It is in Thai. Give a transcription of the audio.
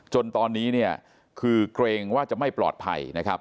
จนตอนนี้เนี่ยคือเกรงว่าจะไม่ปลอดภัยนะครับ